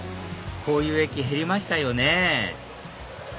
こういう駅減りましたよね